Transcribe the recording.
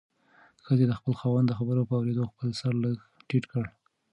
ښځې د خپل خاوند د خبرو په اورېدو خپل سر لږ ټیټ کړ.